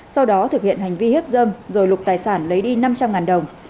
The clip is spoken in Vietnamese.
sau đó thực hiện hành vi hiếp dâm rồi lục tài sản lấy đi năm trăm linh đồng